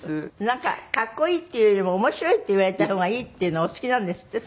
なんか「格好いい」っていうよりも「面白い」って言われた方がいいっていうのお好きなんですって？